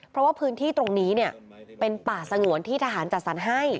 เพราะว่าพื้นที่ตรงนี้เป็นป่าสงวนที่ทหารจัดสรรให้